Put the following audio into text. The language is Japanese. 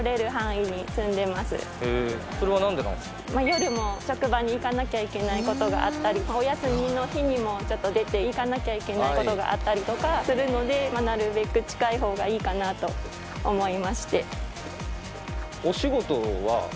夜も職場に行かなきゃいけない事があったりお休みの日にもちょっと出ていかなきゃいけない事があったりとかするのでなるべく近い方がいいかなと思いまして。